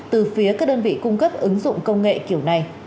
từ phía các đơn vị cung cấp ứng dụng công nghệ kiểu này